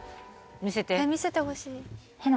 見せてほしい。